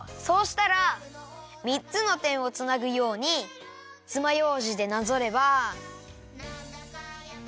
そうしたらみっつのてんをつなぐようにつまようじでなぞれば。